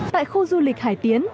tại khu du lịch hải tiến